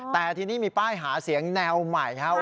แต่ทีนี้มีป้ายหาเสียงแนวใหม่ครับ